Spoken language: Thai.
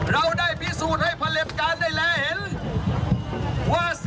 เราได้พิสูจน์ให้พลปการณ์ได้แล้วเห็น